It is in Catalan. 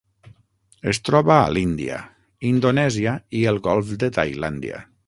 Es troba a l'Índia, Indonèsia i el golf de Tailàndia.